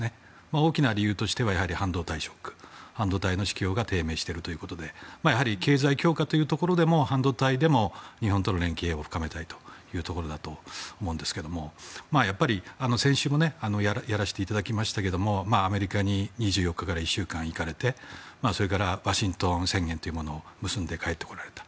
大きな理由としては半導体ショック半導体の市況が低迷しているということでやはり経済強化というところでも半導体でも日本との連携を深めたいというところだと思うんですがやっぱり先週もやらしていただきましたがアメリカに２４日から１週間行かれてそれからワシントン宣言というものを結んで、帰ってこられた。